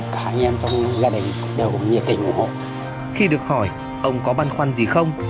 khi được hỏi ông có băn khoăn gì không